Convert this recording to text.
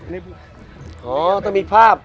ได้ครับอ๋อต้องมีภาพ